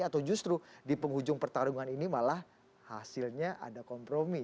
atau justru di penghujung pertarungan ini malah hasilnya ada kompromi